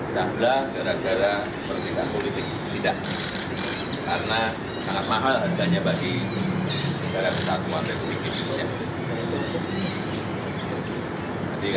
jangan kita tidak menginginkan kita tercablah gara gara perbedaan politik